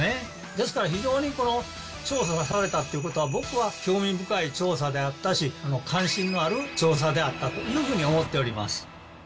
ですから、非常にこの調査がされたっていうことは、僕は興味深い調査であったし、関心のある調査であったというふうに思っております。